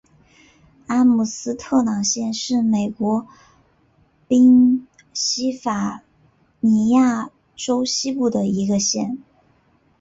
阿姆斯特朗县是美国宾夕法尼亚州西部的一个县。